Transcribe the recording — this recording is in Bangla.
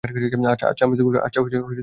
আচ্ছা, আমি দুঃখিত।